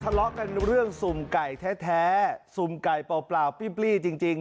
ทะเลาะกันเรื่องซุมไก่แท้แท้ซุมไก่เปล่าเปล่าปลี้ปลี้จริงจริง